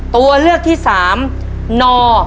ตัวเลขที่๓น๕๘